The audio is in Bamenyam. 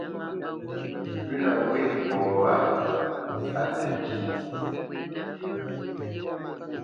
Pʉ̌nə wê fɔ wʉ̌nə wâ á təŋkyé.